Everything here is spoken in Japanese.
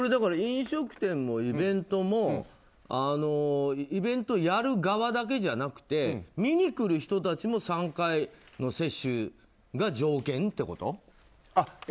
飲食店もイベントもイベントやる側だけじゃなくて見に来る人も３回接種が条件ってこと？